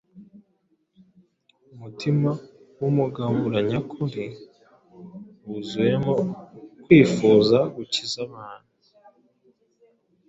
Umutima w’umugabura nyakuri wuzuyemo kwifuza gukiza abantu.